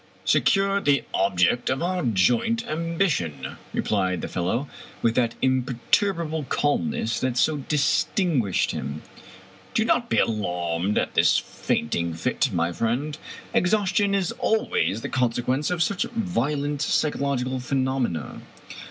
" Secured the object of our joint ambition," replied the fellow, with that imperturbable calmness that so distin guished him. " Do not be alarmed at this fainting fit, my friend. Exhaustion is always the consequence of such vio lent psychological phenomena.